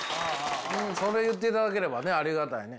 それ言っていただければねありがたいね。